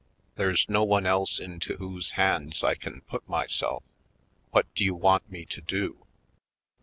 There's no one else into whose hands I can put myself. What do you want me to do?"